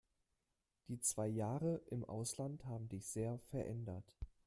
Die zwei Jahre im Ausland haben dich sehr verändert.